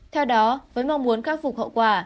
theo đó với mong muốn khắc phục hậu quả